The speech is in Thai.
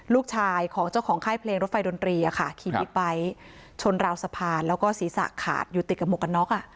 ลูกชายของเจ้าของค่ายเพลงรถไฟดนตรีขี่บิ๊กไบท์ชนราวสะพานแล้วก็ศีรษะขาดอยู่ติดกับหมวกกันน็อก